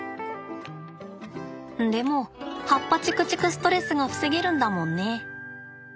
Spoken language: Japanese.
でも葉っぱちくちくストレスが防げるんだもんね。